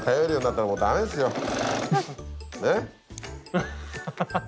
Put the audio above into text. アハハハハ。